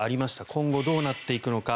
今後、どうなっていくのか。